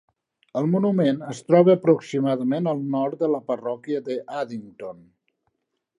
El monument es troba aproximadament al nord de la parròquia de Addington.